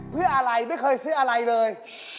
เพื่ออะไรไม่เคยซื้ออะไรเลย